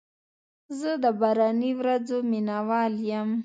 زه د باراني ورځو مینه وال یم.